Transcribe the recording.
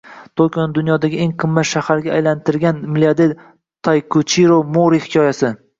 Tokioni dunyodagi eng qimmat shaharga aylantirgan milliarder Taykichiro Mori hikoyasi